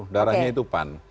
darahnya itu pan